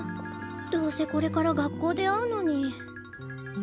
どうせこれから学校で会うのに。